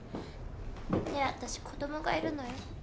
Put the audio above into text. ねえ私子供がいるのよ。